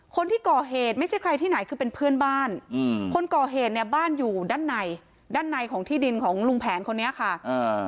คนที่ก่อเหตุไม่ใช่ใครที่ไหนคือเป็นเพื่อนบ้านอืมคนก่อเหตุเนี่ยบ้านอยู่ด้านในด้านในของที่ดินของลุงแผนคนนี้ค่ะอ่า